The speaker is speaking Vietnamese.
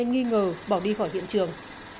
nghi ngờ bỏ đi khỏi hiện trường